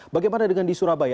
bagaimana dengan di surabaya